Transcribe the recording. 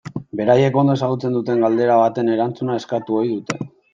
Beraiek ondo ezagutzen duten galdera baten erantzuna eskatu ohi dute.